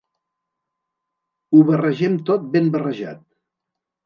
Ho barregem tot ben barrejat.